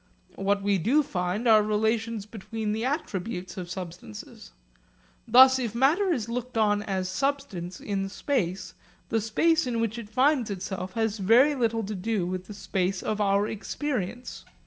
What we do find are relations between the attributes of substances. Thus if matter is looked on as substance in space, the space in which it finds itself has very little to do with the space of our experience.